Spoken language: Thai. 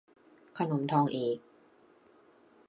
ขนมทองเอก